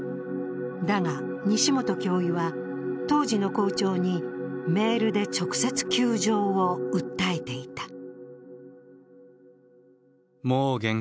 だが、西本教諭は当時の校長にメールで直接窮状を訴えていた。